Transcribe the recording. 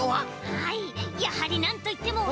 はいやはりなんといってもバッ！